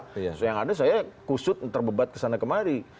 terus yang ada saya kusut terbebat kesana kemari